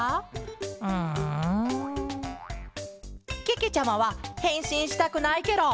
けけちゃまはへんしんしたくないケロ。